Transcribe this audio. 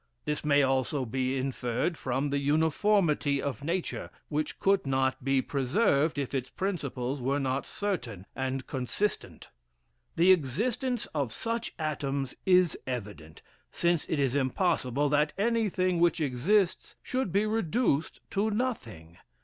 This may also be inferred from the uniformity of Nature, which could not be preserved if its principles were not certain and consistent. The existence of such atoms is evident, since it is impossible that anything which exists should be reduced to nothing.